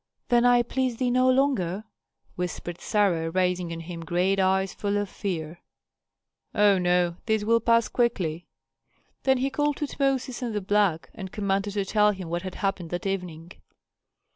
"Then I please thee no longer?" whispered Sarah, raising on him great eyes full of fear. "Oh, no! this will pass quickly." Then he called Tutmosis and the black, and commanded to tell him what had happened that evening.